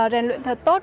rèn luyện thật tốt